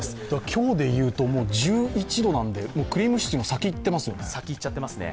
今日でいうと、１１度なんで、クリームシチューの先いっちゃっていますよね。